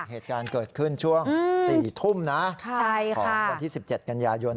เหตุการณ์เกิดขึ้นช่วงสี่ทุ่มนะใช่ค่ะของวันที่สิบเจ็ดกันยายน